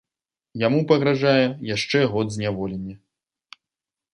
Яму пагражае яшчэ год зняволення.